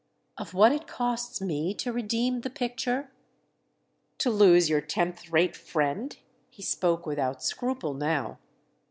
"Of what it costs me to redeem the picture?" "To lose your tenth rate friend"—he spoke without scruple now.